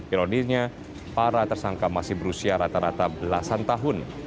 ironisnya para tersangka masih berusia rata rata belasan tahun